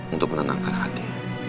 untuk menenangkan hati